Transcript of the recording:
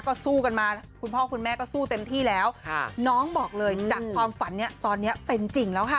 ก็สู้กันมาคุณพ่อคุณแม่ก็สู้เต็มที่แล้วน้องบอกเลยจากความฝันเนี้ยตอนนี้เป็นจริงแล้วค่ะ